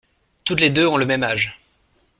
Toutes les deux ont le même âge !